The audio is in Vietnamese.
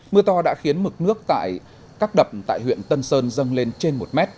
mưa to đã khiến mực nước tại các đập tại huyện tân sơn dâng lên trên một mét